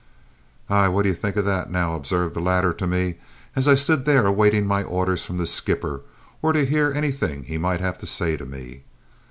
"Ah, what d'ye think o' that now?" observed the latter to me, as I stood there awaiting my orders from the skipper, or to hear anything he might have to say to me.